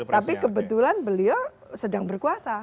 tapi kebetulan beliau sedang berkuasa